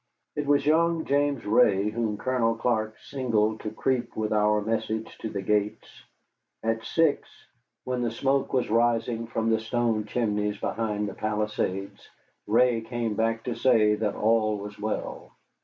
It was young James Ray whom Colonel Clark singled to creep with our message to the gates. At six, when the smoke was rising from the stone chimneys behind the palisades, Ray came back to say that all was well.